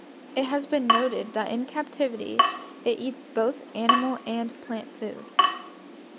It has been noted that in captivity, it eats both animal and plant food.